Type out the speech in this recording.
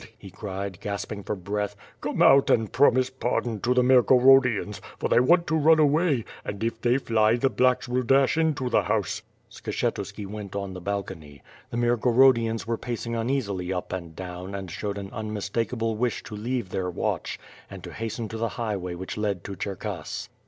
*' he cried, gasping for breath, "come out and promise j)ardon to the ^lirgorodians, for they want to run away — and if they fly, the M)lacks' will dash into th) house." Skshctuski w(»nt (m the balcony. The Mirogodians were pacing uneasily up and down and showed an unmistakable wish to leave their watch, and to hasten to the highway which load to (lierkass.